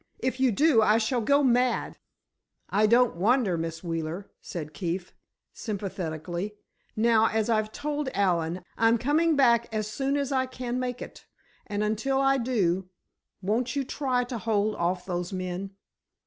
"If you do, I shall go mad!" "I don't wonder, Miss Wheeler," said Keefe, sympathetically. "Now, as I've just told Allen, I'm coming back as soon as I can make it, and until I do, won't you try to hold off those men?